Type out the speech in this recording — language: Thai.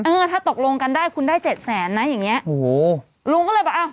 เออถ้าตกลงกันได้คุณได้เจ็ดแสนนะอย่างเงี้โอ้โหลุงก็เลยบอกอ้าว